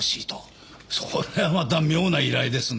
それはまた妙な依頼ですね。